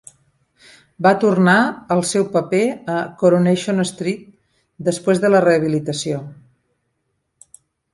Va tornar al seu paper a "Coronation Street" després de la rehabilitació.